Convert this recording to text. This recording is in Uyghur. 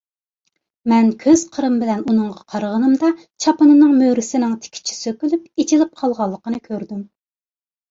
مەن كۆز قىرىم بىلەن ئۇنىڭغا قارىغىنىمدا، چاپىنىنىڭ مۈرىسىنىڭ تىكىچى سۆكۈلۈپ ئېچىلىپ قالغانلىقىنى كۆردۈم.